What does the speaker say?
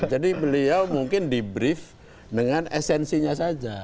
jadi beliau mungkin debrief dengan esensinya saja